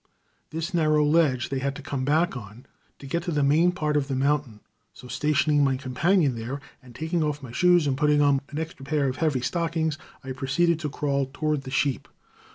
This narrow ledge they had to come back on to get to the main part of the mountain; so, stationing my companion there, and taking off my shoes, and putting on an extra pair of heavy stockings, I proceeded to crawl toward the sheep.